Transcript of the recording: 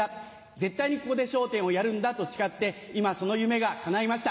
絶対にここで『笑点』をやるんだ」と誓って今その夢がかないました。